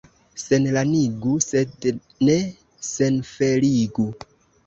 Senlanigu, sed ne senfeligu.